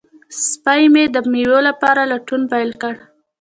سپی مې د مېوې لپاره لټون پیل کړ.